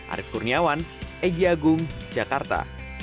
arief kurniawan egy agung jakarta